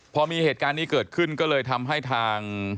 พอมีเหตุการณ์นี้เกิดขึ้นก็เลยทำให้ทาง